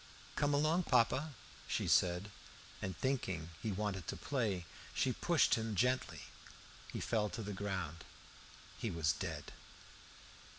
"Come along, papa," she said. And thinking he wanted to play; she pushed him gently. He fell to the ground. He was dead.